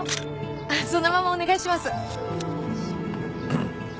そのままお願いします。